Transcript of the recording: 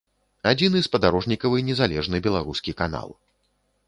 Адзіны спадарожнікавы незалежны беларускі канал.